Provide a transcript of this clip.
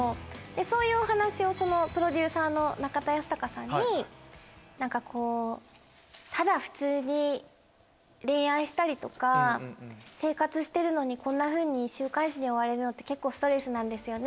そういうお話をプロデューサーの中田ヤスタカさんに何かこう「ただ普通に恋愛したりとか生活してるのにこんなふうに週刊誌に追われるのって結構ストレスなんですよね」